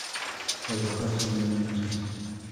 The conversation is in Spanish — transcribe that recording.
Las hojas son venenosas.